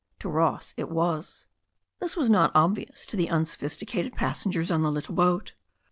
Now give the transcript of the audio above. To Ross it was. This was not obvious to the unsophisticated passengers on the little boat.